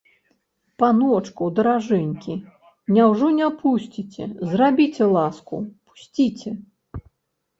Паночку, даражэнькі, няўжо не пусціце, зрабіце ласку, пусціце!